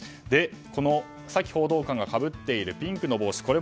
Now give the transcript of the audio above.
このサキ報道官がかぶっているピンクの帽子。